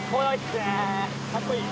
かっこいい？